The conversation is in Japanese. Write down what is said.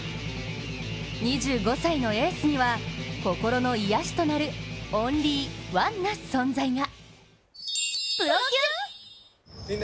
２５歳のエースには、心の癒やしとなるオンリー「ワン」な存在が。